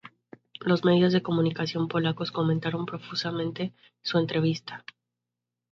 Los medios de comunicación polacos comentaron profusamente su entrevista.